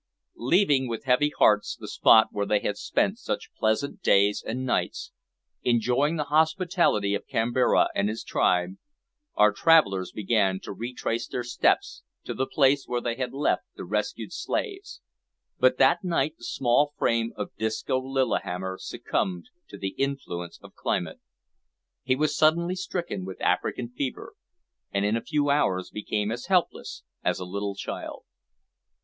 Leaving, with heavy hearts, the spot where they had spent such pleasant days and nights, enjoying the hospitality of Kambira and his tribe, our travellers began to retrace their steps to the place where they had left the rescued slaves, but that night the strong frame of Disco Lillihammer succumbed to the influence of climate. He was suddenly stricken with African fever, and in a few hours became as helpless as a little child.